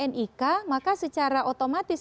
nik maka secara otomatis